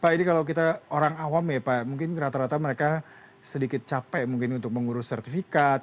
pak ini kalau kita orang awam ya pak mungkin rata rata mereka sedikit capek mungkin untuk mengurus sertifikat